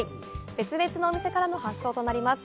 別々のお店からの発送となります。